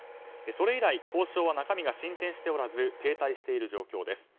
それ以来交渉は中身が進展しておらず停滞している状況です。